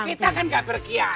kita kan gak bergiana